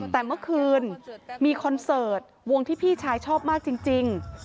แต่เมื่อคืนมีคอนเสิร์ตวงที่พี่ชายชอบมากจริง